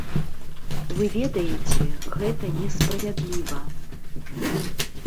Вы ведаеце, гэта несправядліва.